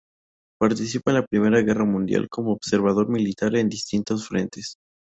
Participa en la Primera Guerra Mundial como observador militar en distintos frentes.